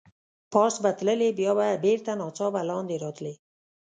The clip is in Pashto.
پاس به تللې، بیا به بېرته ناڅاپه لاندې راتلې.